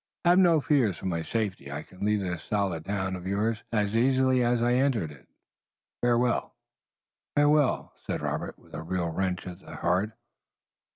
Have no fears for my safety. I can leave this solid town of yours as easily as I entered it. Farewell!" "Farewell!" said Robert, with a real wrench at the heart.